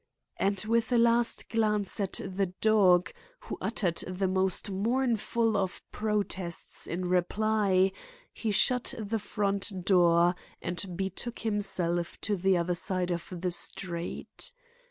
And with a last glance at the dog, who uttered the most mournful of protests in reply, he shut the front door and betook himself to the other side of the street.